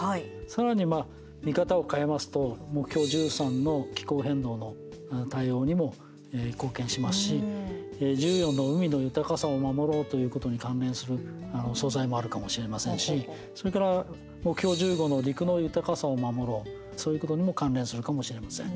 さらに見方を変えますと目標１３の気候変動の対応にも貢献しますし１４の海の豊かさを守ろうということに関連する素材もあるかもしれませんしそれから目標１５の陸の豊かさを守ろうそういうことにも関連するかもしれません。